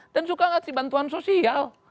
dan suka enggak sih bantuan sosial